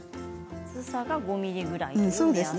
薄さが５ｍｍぐらいですね。